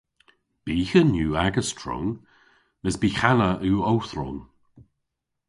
Byghan yw agas tron mes byghanna yw ow thron!